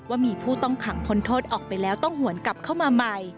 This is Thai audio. ว่ามีผู้ต้องขังพ้นโทษออกไปแล้วต้องหวนกลับเข้ามาใหม่